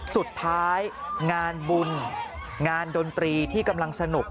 สุดท้ายงานบุญงานดนตรีที่กำลังสนุก